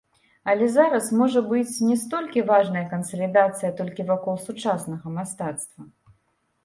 Але зараз можа быць не столькі важная кансалідацыя толькі вакол сучаснага мастацтва.